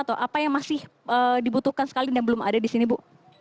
atau apa yang masih dibutuhkan sekali dan belum ada di sini bu